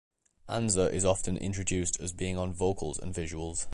Anza is often introduced as being on "vocals and visuals".